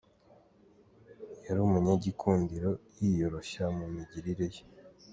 Yari umunyagikundiro, yiyoroshya mu migirire ye.